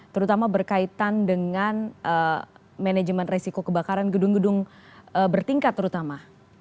terutama berkaitan dengan manajemen resiko kebakaran gedung gedung bertingkat terutama